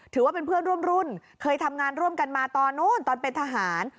ถือว่าเป็นเพื่อนร่วมรุ่นเคยทำงานร่วมกันมาตอนนู้นตอนเป็นทหาร